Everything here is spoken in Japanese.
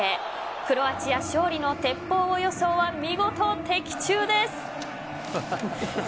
クロアチア勝利のテッポウウオ予想は見事的中です。